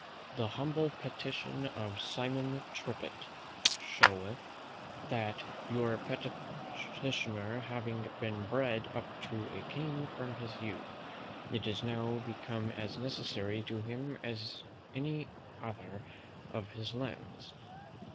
"The humble petition of SIMON TRIPPIT, "Showeth, "That your petitioner having been bred up to a cane from his youth, it is now become as necessary to him as any other of his limbs.